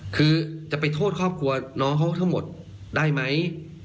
คือจะไปโทษครอบครัวน้องเขาทั้งหมดได้ไหม